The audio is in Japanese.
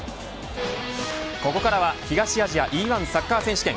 ここからは東アジアＥ‐１サッカー選手権。